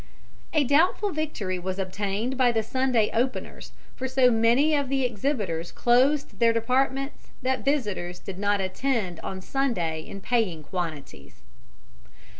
A doubtful victory was obtained by the Sunday openers, for so many of the exhibitors closed their departments that visitors did not attend on Sunday in paying quantities.